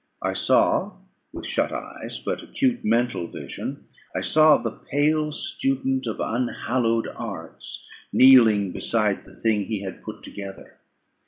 I saw with shut eyes, but acute mental vision, I saw the pale student of unhallowed arts kneeling beside the thing he had put together.